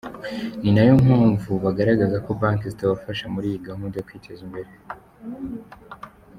Nina yo mpamvu bagaragaza ko banki zitabafasha muri iyi gahunda yo kwiteza imbere.